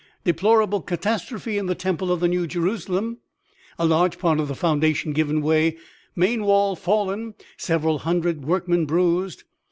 "Deplorable catastrophe in the temple of the New Jerusalem: a large part of the foundation given way, main wall fallen, several hundred workmen bruised."